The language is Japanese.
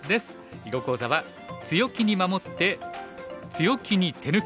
囲碁講座は「強気に守って強気に手抜く」。